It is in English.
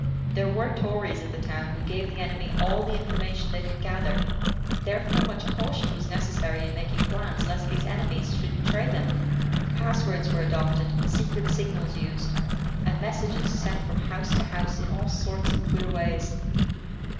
There were Tories in the town who gave the enemy all the information they could gather; therefore much caution was necessary in making plans, lest these enemies should betray them. Pass words were adopted, secret signals used, and messages sent from house to house in all sorts of queer ways.